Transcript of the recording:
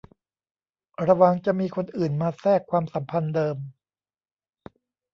ระวังจะมีคนอื่นมาแทรกความสัมพันธ์เดิม